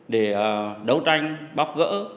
để đấu tranh bóc gỡ